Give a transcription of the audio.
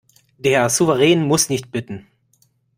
Der Souverän muss nicht bitten.